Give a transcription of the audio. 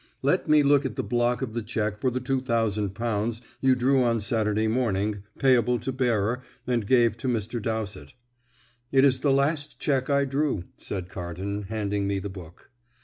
"Let me look at the block of the cheque for the two thousand pounds you drew on Saturday morning, payable to bearer, and gave to Mr. Dowsett." "It is the last cheque I drew," said Carton, handing me the book.